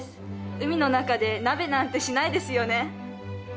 海の中で鍋なんてしないですよね。